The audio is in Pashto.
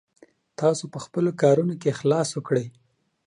تاسو په خپلو کارونو کې اخلاص ولرئ.